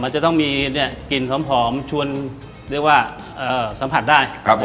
มันจะต้องมีเนี่ยกลิ่นพร้อมชวนเรียกว่าเอ่อสัมผัสได้ครับผม